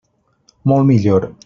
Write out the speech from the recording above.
Molt millor.